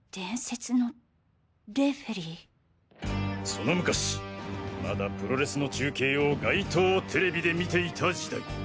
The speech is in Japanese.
その昔まだプロレスの中継を街頭テレビで見ていた時代。